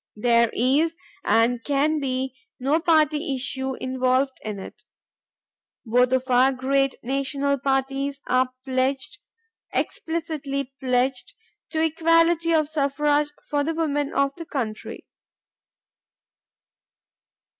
There is and can be no party issue involved in it. Both of our great national parties are pledged, explicitly pledged, to equality of suffrage for the women of the country.